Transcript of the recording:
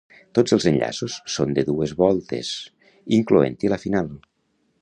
Tots els enllaços són de dues voltes, incloent-hi la final.